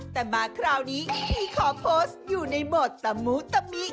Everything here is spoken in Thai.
แต่มาคราวนี้พี่ขอโพสต์อยู่ในโหมดตะมุตะมิ